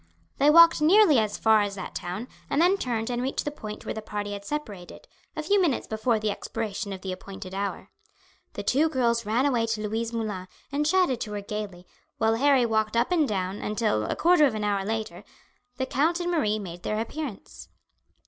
They walked nearly as far as that town, and then turned and reached the point where the party had separated, a few minutes before the expiration of the appointed hour. The two girls ran away to Louise Moulin, and chatted to her gaily, while Harry walked up and down until, a quarter of an hour later, the count and Marie made their appearance.